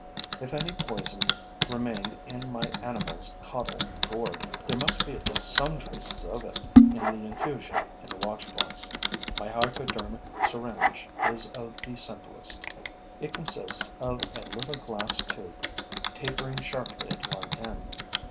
If any poison remained in my animal's caudal gourd, there must be at least some traces of it in the infusion in the watch glass. My hypodermic syringe is of the simplest. It consists of a little glass tube, tapering sharply at one end.